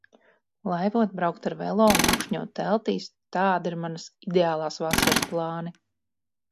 Laivot, braukt ar velo, nakšņot teltīs - tādi ir manas ideālās vasaras plāni.